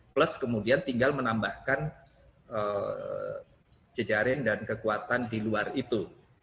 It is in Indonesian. plus kemudian tinggal menambahkan jejaring dan kekuatan di luar itu